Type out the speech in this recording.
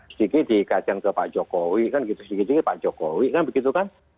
sedikit dikaitkan ke pak jokowi kan gitu sedikit sedikit pak jokowi kan begitu kan